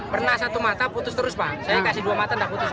pernah satu mata putus terus pak saya kasih dua mata putus